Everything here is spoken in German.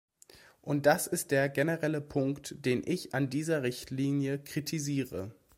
Und das ist der generelle Punkt, den ich an dieser Richtlinie kritisiere.